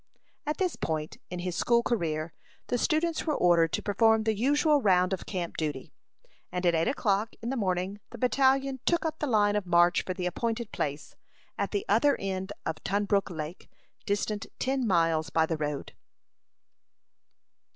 At this point in his school career, the students were ordered to perform the usual round of camp duty; and at eight o'clock in the morning, the battalion took up the line of march for the appointed place, at the other end of Tunbrook Lake, distant ten miles by the road.